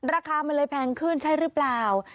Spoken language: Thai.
ราคามันเลยแพงขึ้นใช่หรือเปล่า